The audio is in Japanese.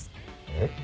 えっ？